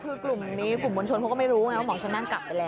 คือกลุ่มนี้กลุ่มมวลชนเขาก็ไม่รู้ไงว่าหมองชนนั่นกลับไปแล้ว